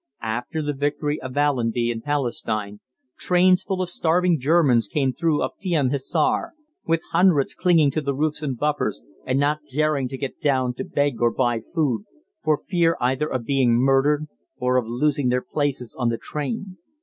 After the victory of Allenby in Palestine, trains full of starving Germans came through Afion Hissar, with hundreds clinging to the roofs and buffers and not daring to get down to beg or buy food, for fear either of being murdered or of losing their places on the train.